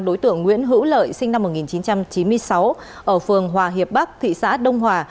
đối tượng nguyễn hữu lợi sinh năm một nghìn chín trăm chín mươi sáu ở phường hòa hiệp bắc thị xã đông hòa